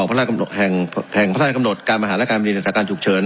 แผ่งแผ่งแผ่งกำหนดการมหาและการบริเวณสถานการณ์ฉุกเฉิน